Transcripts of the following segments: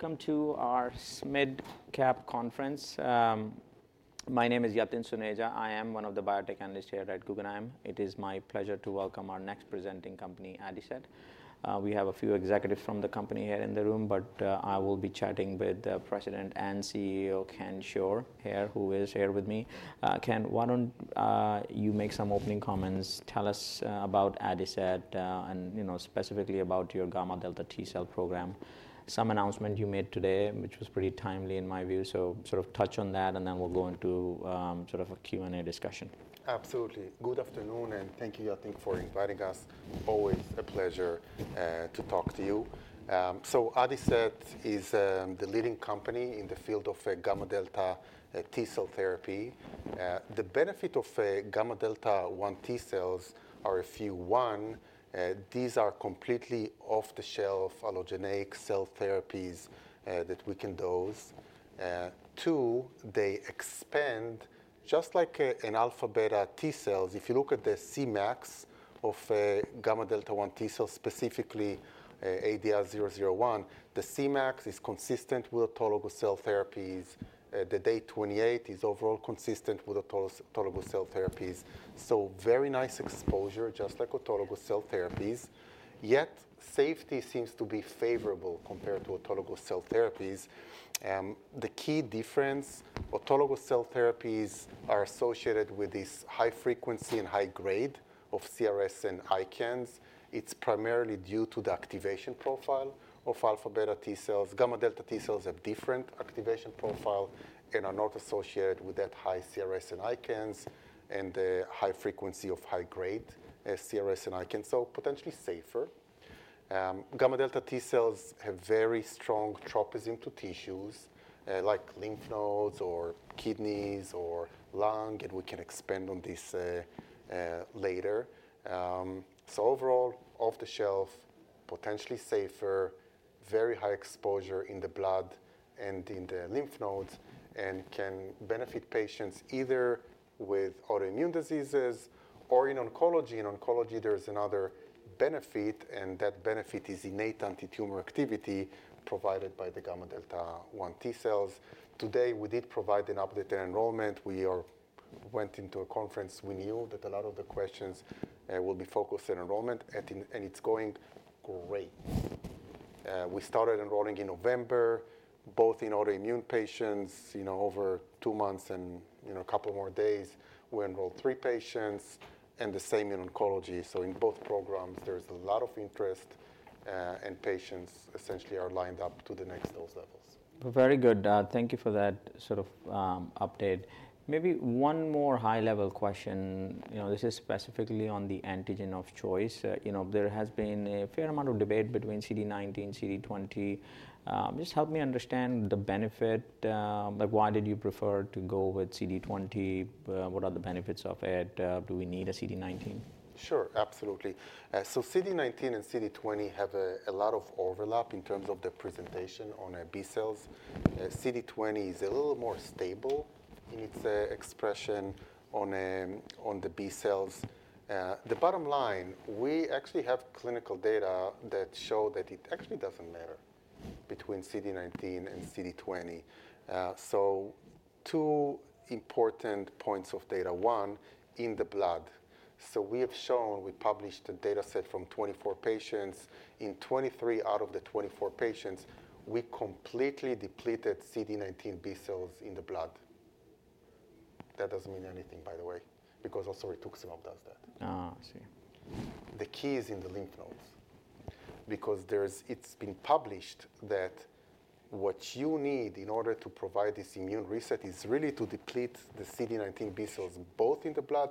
Welcome to our SMID Cap conference. My name is Yatin Suneja. I am one of the biotech analysts here at Guggenheim. It is my pleasure to welcome our next presenting company, Adicet. We have a few executives from the company here in the room, but I will be chatting with the President and CEO, Chen Schor, who is here with me. Chen, why don't you make some opening comments? Tell us about Adicet, and, you know, specifically about your gamma delta T cell program. Some announcement you made today, which was pretty timely in my view, so sort of touch on that, and then we'll go into sort of a Q&A discussion. Absolutely. Good afternoon, and thank you, Yatin, for inviting us. Always a pleasure to talk to you. Adicet is the leading company in the field of gamma delta T cell therapy. The benefit of gamma delta T cells are a few. One, these are completely off-the-shelf allogeneic cell therapies that we can dose. Two, they expand just like alpha beta T cells. If you look at the Cmax of gamma delta T cells, specifically, ADI-001, the Cmax is consistent with autologous cell therapies. The day 28 is overall consistent with autologous cell therapies. Very nice exposure, just like autologous cell therapies. Yet safety seems to be favorable compared to autologous cell therapies. The key difference: autologous cell therapies are associated with this high frequency and high grade of CRS and ICANS. It's primarily due to the activation profile of alpha beta T cells. Gamma delta T cells have different activation profile and are not associated with that high CRS and ICANS and the high frequency of high grade, CRS and ICANS, so potentially safer. Gamma delta T cells have very strong tropism to tissues, like lymph nodes or kidneys or lungs, and we can expand on this later. Overall, off-the-shelf, potentially safer, very high exposure in the blood and in the lymph nodes, and can benefit patients either with autoimmune diseases or in oncology. In oncology, there's another benefit, and that benefit is innate anti-tumor activity provided by the gamma delta 1 T cells. Today, we did provide an update on enrollment. We went into a conference. We knew that a lot of the questions will be focused on enrollment, and it's going great. We started enrolling in November, both in autoimmune patients, you know, over two months and, you know, a couple more days. We enrolled three patients and the same in oncology. In both programs, there's a lot of interest, and patients essentially are lined up to the next dose levels. Very good. Thank you for that sort of update. Maybe one more high-level question. You know, this is specifically on the antigen of choice. You know, there has been a fair amount of debate between CD19, CD20. Just help me understand the benefit. Like, why did you prefer to go with CD20? What are the benefits of it? Do we need a CD19? Sure, absolutely. CD19 and CD20 have a lot of overlap in terms of their presentation on B cells. CD20 is a little more stable in its expression on the B cells. The bottom line, we actually have clinical data that show that it actually doesn't matter between CD19 and CD20. Two important points of data. One, in the blood. We have shown, we published a data set from 24 patients. In 23 out of the 24 patients, we completely depleted CD19 B cells in the blood. That doesn't mean anything, by the way, because also Rituximab does that. I see. The key is in the lymph nodes because it's been published that what you need in order to provide this immune reset is really to deplete the CD19 B cells both in the blood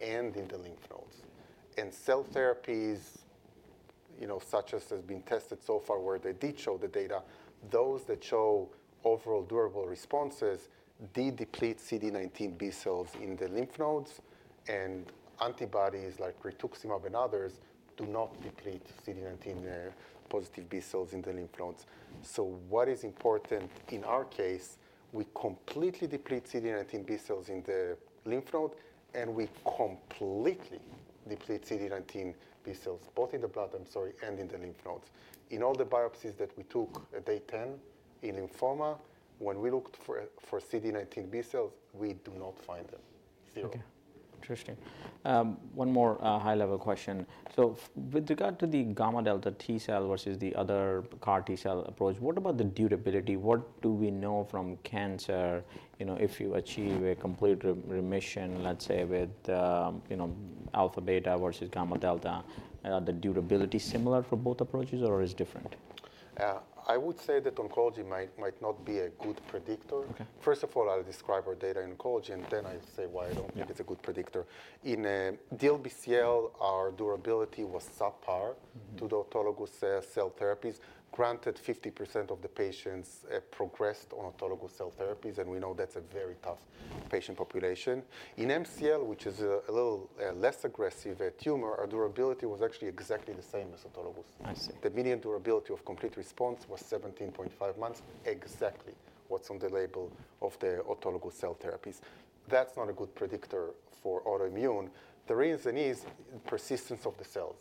and in the lymph nodes. Cell therapies, you know, such as has been tested so far where they did show the data, those that show overall durable responses did deplete CD19 B cells in the lymph nodes, and antibodies like Rituximab and others do not deplete CD19-positive B cells in the lymph nodes. What is important in our case, we completely depleted CD19 B cells in the lymph node, and we completely depleted CD19 B cells both in the blood, I'm sorry, and in the lymph nodes. In all the biopsies that we took at day 10 in lymphoma, when we looked for, for CD19 B cells, we do not find them. Zero. Okay. Interesting. One more, high-level question. With regard to the gamma delta T cell versus the other CAR T cell approach, what about the durability? What do we know from cancer, you know, if you achieve a complete remission, let's say, with, you know, alpha beta versus gamma delta? The durability similar for both approaches, or is it different? I would say that oncology might, might not be a good predictor. Okay. First of all, I'll describe our data in oncology, and then I'll say why I don't think it's a good predictor. In DLBCL, our durability was subpar to the autologous cell therapies. Granted, 50% of the patients progressed on autologous cell therapies, and we know that's a very tough patient population. In MCL, which is a little less aggressive tumor, our durability was actually exactly the same as autologous. I see. The median durability of complete response was 17.5 months, exactly what's on the label of the autologous cell therapies. That's not a good predictor for autoimmune. The reason is persistence of the cells.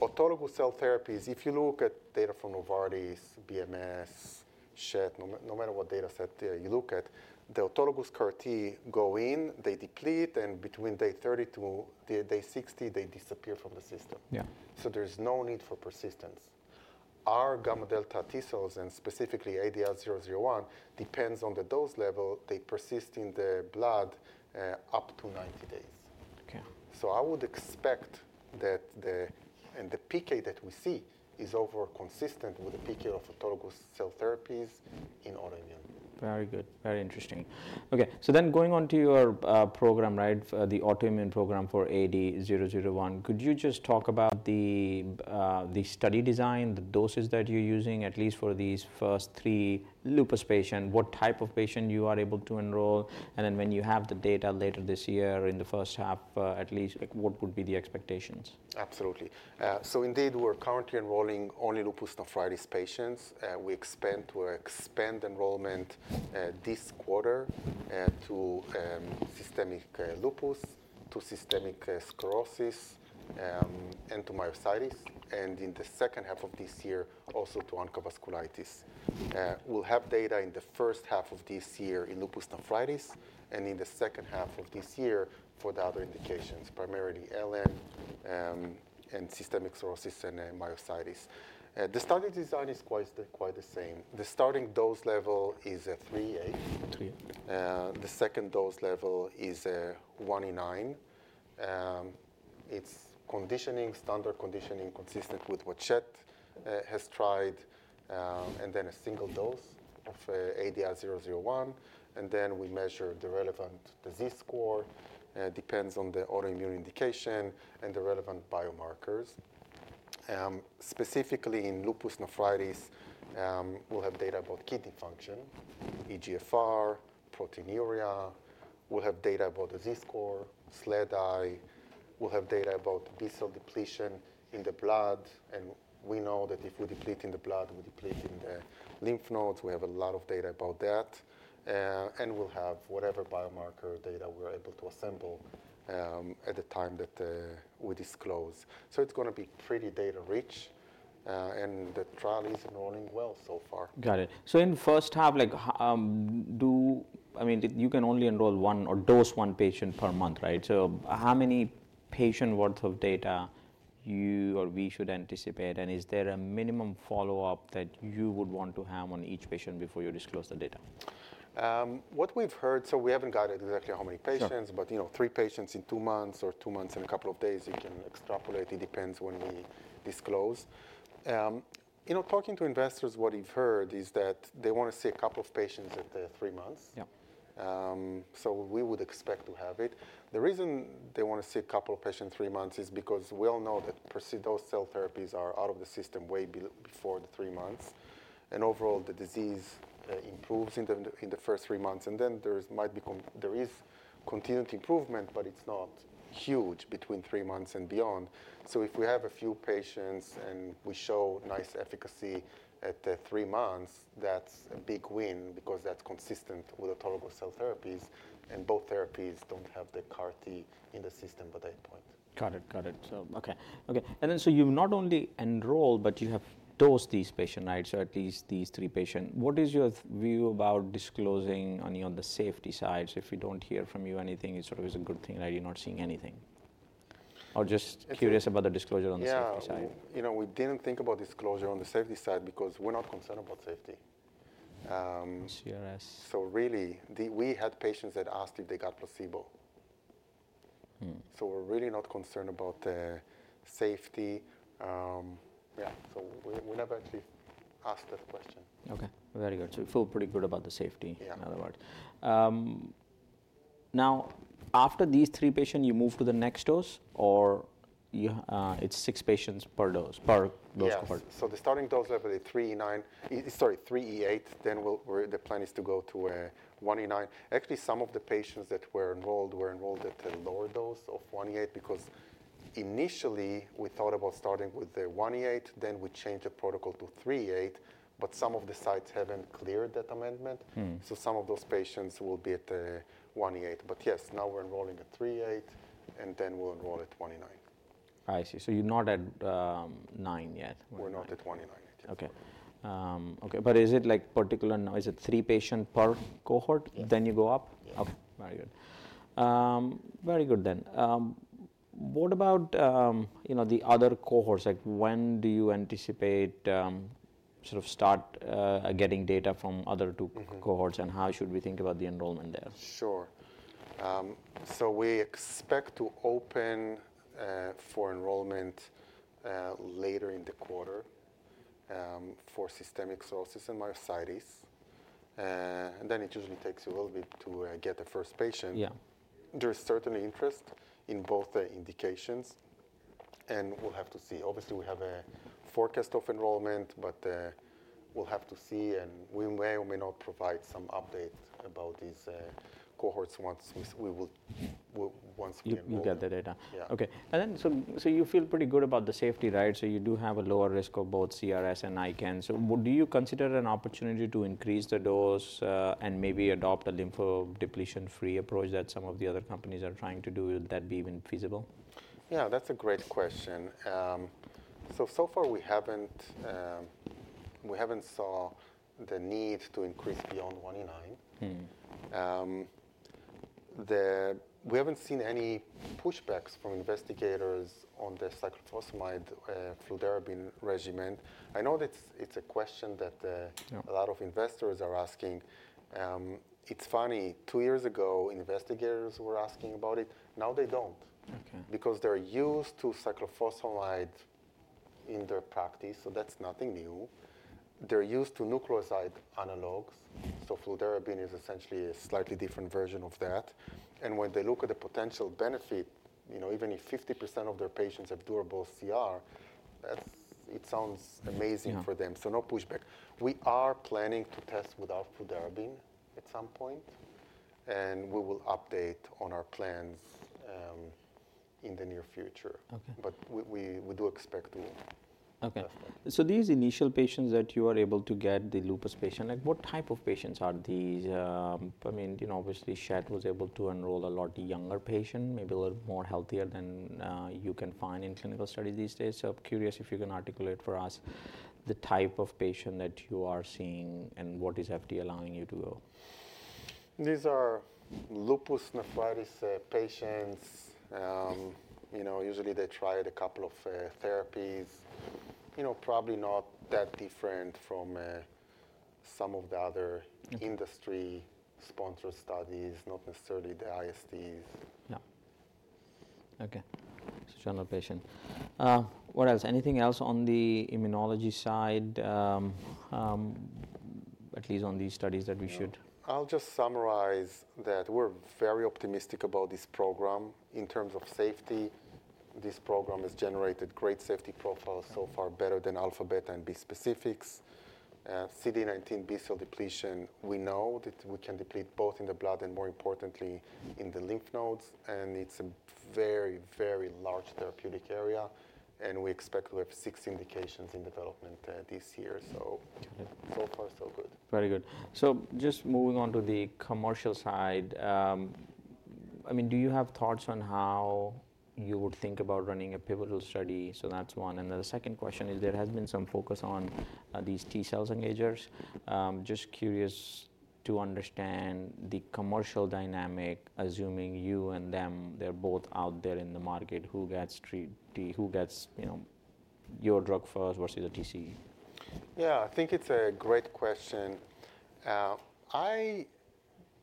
Autologous cell therapies, if you look at data from Novartis, Bristol Myers Squibb, Schett, no matter what data set you look at, the autologous CAR T go in, they deplete, and between day 30 to day 60, they disappear from the system. Yeah. There is no need for persistence. Our gamma delta T cells, and specifically ADI-001, depends on the dose level. They persist in the blood, up to 90 days. Okay. I would expect that the PK that we see is overall consistent with the PK of autologous cell therapies in autoimmune. Very good. Very interesting. Okay. Going on to your program, right, the autoimmune program for ADI-001, could you just talk about the study design, the doses that you're using, at least for these first three lupus patients, what type of patient you are able to enroll, and then when you have the data later this year in the first half, at least, like, what would be the expectations? Absolutely. So indeed, we're currently enrolling only lupus nephritis patients. We expect enrollment this quarter to systemic lupus, to systemic sclerosis, and to myositis, and in the second half of this year, also to ANCA vasculitis. We'll have data in the first half of this year in lupus nephritis, and in the second half of this year for the other indications, primarily LN, and systemic sclerosis and myositis. The study design is quite, quite the same. The starting dose level is a 3 8. 38. The second dose level is 1 9. It's conditioning, standard conditioning, consistent with what Kyverna has tried, and then a single dose of ADI-001. Then we measure the relevant disease score, depends on the autoimmune indication and the relevant biomarkers. Specifically in lupus nephritis, we'll have data about kidney function, eGFR, proteinuria. We'll have data about the disease score, SLEDAI. We'll have data about B cell depletion in the blood, and we know that if we deplete in the blood, we deplete in the lymph nodes. We have a lot of data about that. We'll have whatever biomarker data we're able to assemble at the time that we disclose. It's gonna be pretty data-rich, and the trial is enrolling well so far. Got it. In the first half, like, do I mean, you can only enroll one or dose one patient per month, right? How many patient worth of data you or we should anticipate, and is there a minimum follow-up that you would want to have on each patient before you disclose the data? What we've heard, so we haven't got exactly how many patients, but, you know, three patients in two months or two months and a couple of days, you can extrapolate. It depends when we disclose. You know, talking to investors, what we've heard is that they wanna see a couple of patients at the three months. Yeah. We would expect to have it. The reason they wanna see a couple of patients three months is because we all know that per se those cell therapies are out of the system way before the three months, and overall, the disease improves in the first three months, and then there might be there is continued improvement, but it's not huge between three months and beyond. If we have a few patients and we show nice efficacy at the three months, that's a big win because that's consistent with autologous cell therapies, and both therapies don't have the CAR T in the system by that point. Got it. Got it. Okay. Okay. And then you've not only enrolled, but you have dosed these patients, right? At least these three patients. What is your view about disclosing on, you know, the safety side? If we do not hear from you anything, it sort of is a good thing, right? You're not seeing anything? Just curious about the disclosure on the safety side. you know, we didn't think about disclosure on the safety side because we're not concerned about safety. CRS. We had patients that asked if they got placebo. We're really not concerned about safety. Yeah. We never actually asked that question. Okay. Very good. You feel pretty good about the safety. Yeah. In other words, now, after these three patients, you move to the next dose, or it's six patients per dose compartment? Yes. The starting dose level is 3 9. Sorry, 3 8. The plan is to go to 1 9. Actually, some of the patients that were enrolled were enrolled at a lower dose of 1 8 because initially, we thought about starting with the 1 8, then we changed the protocol to 3 8, but some of the sites have not cleared that amendment. Some of those patients will be at 1 8. Yes, now we are enrolling at 3 8, and then we will enroll at 1 9. I see. So you're not at nine yet. We're not at 1 9 yet. Okay. Okay. Is it, like, particular now? Is it three patients per cohort? Yes. You go up? Yes. Okay. Very good. Very good then. What about, you know, the other cohorts? Like, when do you anticipate, sort of start, getting data from other two cohorts, and how should we think about the enrollment there? Sure. We expect to open, for enrollment, later in the quarter, for systemic sclerosis and myositis. And then it usually takes a little bit to get the first patient. Yeah. There is certainly interest in both indications, and we'll have to see. Obviously, we have a forecast of enrollment, but we'll have to see, and we may or may not provide some update about these cohorts once we enroll. We get the data. Yeah. Okay. You feel pretty good about the safety, right? You do have a lower risk of both CRS and ICANS. Do you consider an opportunity to increase the dose, and maybe adopt a lymphodepletion-free approach that some of the other companies are trying to do? Would that be even feasible? Yeah, that's a great question. So far, we haven't, we haven't seen the need to increase beyond 1 9. We haven't seen any pushbacks from investigators on the cyclophosphamide, fludarabine regimen. I know that it's a question that, Yeah. A lot of investors are asking. It's funny. Two years ago, investigators were asking about it. Now they don't. Okay. Because they're used to cyclophosphamide in their practice, so that's nothing new. They're used to nucleoside analogs. So fludarabine is essentially a slightly different version of that. And when they look at the potential benefit, you know, even if 50% of their patients have durable CR, that sounds amazing for them. Yeah. No pushback. We are planning to test without fludarabine at some point, and we will update on our plans in the near future. Okay. We do expect to. Okay. These initial patients that you are able to get, the lupus patient, like, what type of patients are these, I mean, you know, obviously, Schett was able to enroll a lot younger patient, maybe a little more healthier than you can find in clinical studies these days. I am curious if you can articulate for us the type of patient that you are seeing and what is FDA allowing you to do. These are lupus nephritis patients. You know, usually, they try a couple of therapies, you know, probably not that different from some of the other industry-sponsored studies, not necessarily the ISTs. Yeah. Okay. So general patient. What else? Anything else on the immunology side, at least on these studies that we should? I'll just summarize that we're very optimistic about this program. In terms of safety, this program has generated great safety profiles so far, better than alpha beta and bispecifics. CD19 B cell depletion, we know that we can deplete both in the blood and, more importantly, in the lymph nodes, and it's a very, very large therapeutic area, and we expect to have six indications in development this year. So far, so good. Very good. Just moving on to the commercial side, I mean, do you have thoughts on how you would think about running a pivotal study? That is one. The second question is there has been some focus on these T cell engagers. Just curious to understand the commercial dynamic, assuming you and them, they are both out there in the market, who gets T, who gets, you know, your drug first versus a TCE. Yeah. I think it's a great question. I,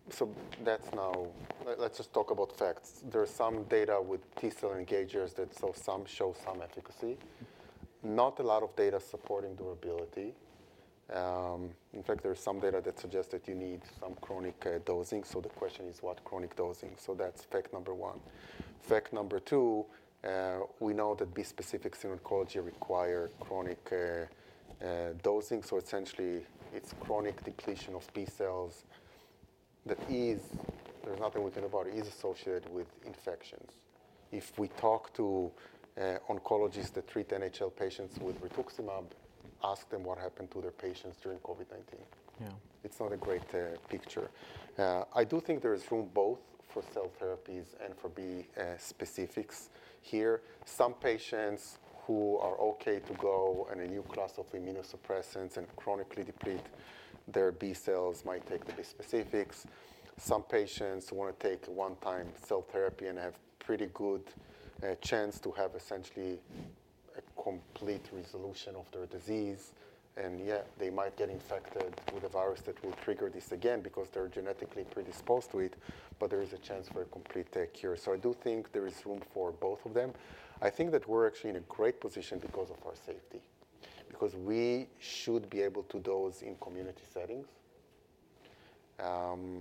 so that's, now let's just talk about facts. There's some data with T cell engagers that, so some show some efficacy. Not a lot of data supporting durability. In fact, there's some data that suggests that you need some chronic dosing. The question is, what chronic dosing? That's fact number one. Fact number two, we know that bispecifics in oncology require chronic dosing. Essentially, it's chronic depletion of B cells that is, there's nothing we can do about it, is associated with infections. If we talk to oncologists that treat NHL patients with rituximab, ask them what happened to their patients during COVID-19. Yeah. It's not a great picture. I do think there is room both for cell therapies and for bispecifics here. Some patients who are okay to go on a new class of immunosuppressants and chronically deplete their B cells might take the bispecifics. Some patients wanna take one-time cell therapy and have pretty good chance to have essentially a complete resolution of their disease. Yeah, they might get infected with a virus that will trigger this again because they're genetically predisposed to it, but there is a chance for a complete cure. I do think there is room for both of them. I think that we're actually in a great position because of our safety, because we should be able to dose in community settings, and,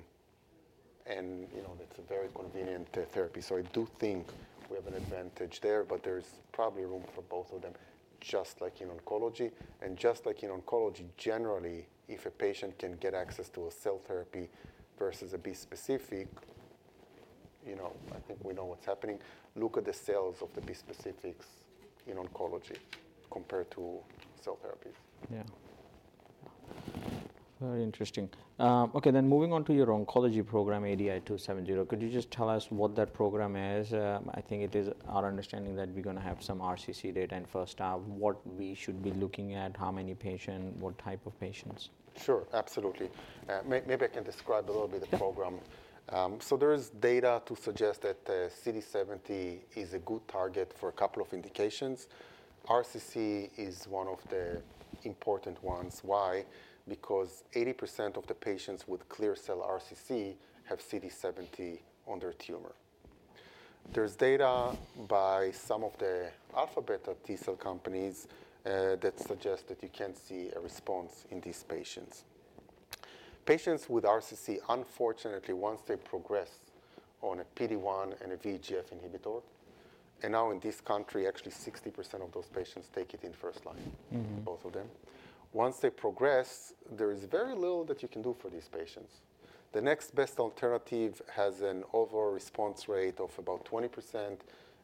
you know, that's a very convenient therapy. I do think we have an advantage there, but there's probably room for both of them, just like in oncology. Just like in oncology, generally, if a patient can get access to a cell therapy versus a B specific, you know, I think we know what's happening. Look at the cells of the bispecifics in oncology compared to cell therapies. Yeah. Very interesting. Okay. Then moving on to your oncology program, ADI-270, could you just tell us what that program is? I think it is our understanding that we're gonna have some RCC data in first half. What we should be looking at, how many patients, what type of patients? Sure. Absolutely. Maybe I can describe a little bit the program. There is data to suggest that CD70 is a good target for a couple of indications. RCC is one of the important ones. Why? Because 80% of the patients with clear cell RCC have CD70 on their tumor. There is data by some of the alpha beta T cell companies that suggest that you can see a response in these patients. Patients with RCC, unfortunately, once they progress on a PD-1 and a VEGF inhibitor, and now in this country, actually, 60% of those patients take it in first line. Both of them. Once they progress, there is very little that you can do for these patients. The next best alternative has an overall response rate of about 20%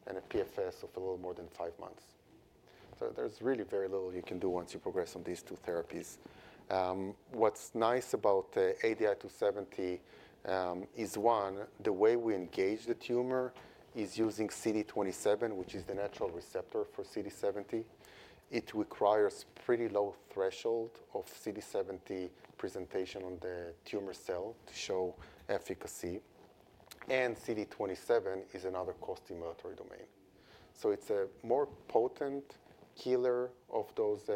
and a PFS of a little more than five months. There is really very little you can do once you progress on these two therapies. What's nice about ADI-270 is, one, the way we engage the tumor is using CD27, which is the natural receptor for CD70. It requires a pretty low threshold of CD70 presentation on the tumor cell to show efficacy. CD27 is another costimulatory domain. It is a more potent killer of those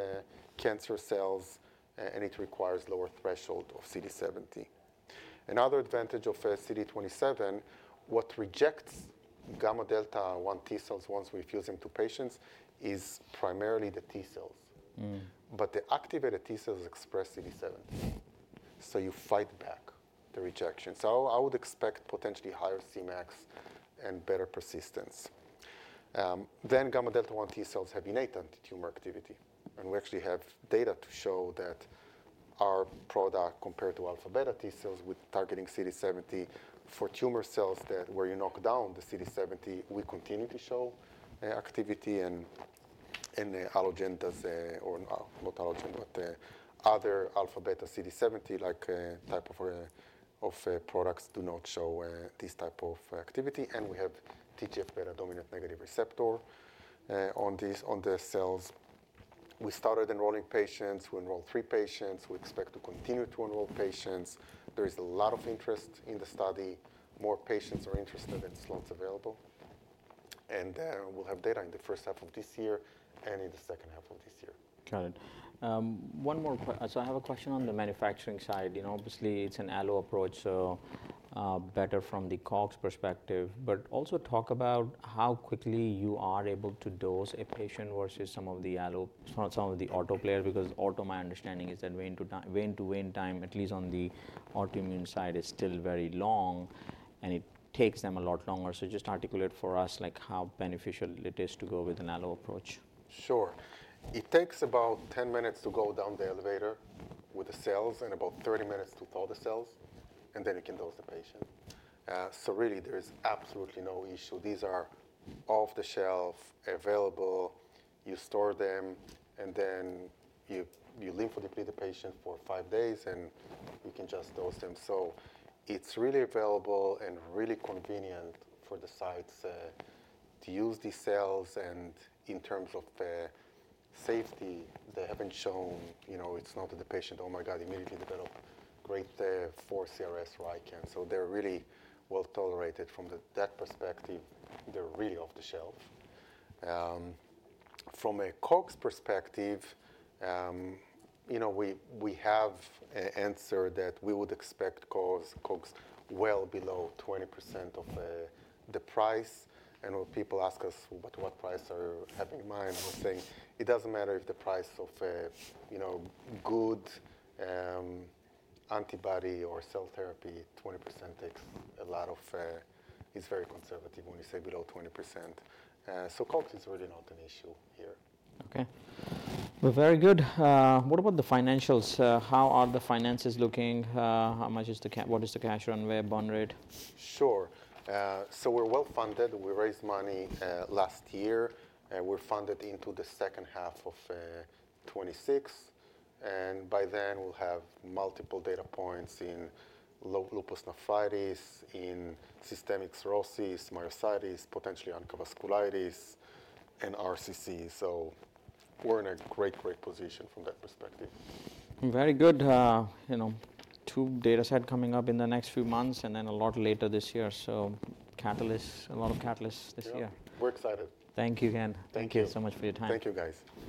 cancer cells, and it requires a lower threshold of CD70. Another advantage of CD27, what rejects gamma delta 1 T cells once we infuse them to patients is primarily the T cells. The activated T cells express CD70, so you fight back the rejection. I would expect potentially higher Cmax and better persistence. Gamma delta 1 T cells have innate tumor activity. We actually have data to show that our product compared to alpha beta T cells with targeting CD70 for tumor cells, that where you knock down the CD70, we continue to show activity, and other alpha beta CD70-like type of products do not show this type of activity. We have TGF-beta dominant negative receptor on these, on the cells. We started enrolling patients. We enrolled three patients. We expect to continue to enroll patients. There is a lot of interest in the study. More patients are interested in slots available. We will have data in the first half of this year and in the second half of this year. Got it. One more ques, so I have a question on the manufacturing side. You know, obviously, it's an allo approach, so, better from the COGS perspective. Also, talk about how quickly you are able to dose a patient versus some of the allo, some of the auto players, because auto, my understanding, is that wait time, wait time, at least on the autoimmune side, is still very long, and it takes them a lot longer. Just articulate for us, like, how beneficial it is to go with an allo approach. Sure. It takes about 10 minutes to go down the elevator with the cells and about 30 minutes to thaw the cells, and then you can dose the patient. There is absolutely no issue. These are off the shelf, available. You store them, and then you lymphodeplete the patient for five days, and you can just dose them. It is really available and really convenient for the sites to use these cells. In terms of safety, they haven't shown, you know, it's not that the patient, oh my God, immediately developed grade 4 CRS or ICANS. They are really well tolerated. From that perspective, they are really off the shelf. From a COGS perspective, you know, we have an answer that we would expect COGS, COGS well below 20% of the price. When people ask us, "What price are you having in mind?" we're saying it doesn't matter if the price of, you know, good, antibody or cell therapy, 20% takes a lot of, is very conservative when you say below 20%. COGS is really not an issue here. Okay. Very good. What about the financials? How are the finances looking? How much is the cash runway, bond rate? Sure. We're well funded. We raised money last year. We're funded into the second half of 2026. By then, we'll have multiple data points in lupus nephritis, in systemic sclerosis, myositis, potentially ANCA-associated vasculitis, and RCC. We're in a great, great position from that perspective. Very good. You know, two data sets coming up in the next few months and then a lot later this year. Catalysts, a lot of catalysts this year. Yeah. We're excited. Thank you again. Thank you. Thank you so much for your time. Thank you, guys.